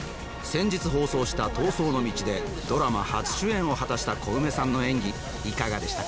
先日放送した「逃走の道」でドラマ初主演を果たしたコウメさんの演技いかがでしたか？